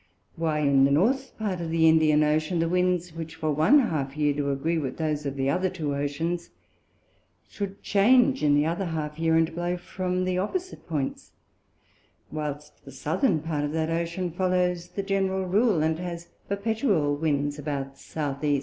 Why in the North part of the Indian Ocean, the Winds, which for one half Year do agree with those of the other two Oceans, should change in other half Year, and blow from the opposite Points; whilst the Southern part of that Ocean follows the General Rule, and has perpetual Winds about S. E?